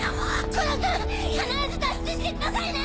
コナン君必ず脱出してくださいね！